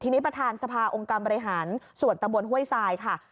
ทีนี้ประธานสภาองค์การบริหารส่วนตำบลห้วยทรายค่ะ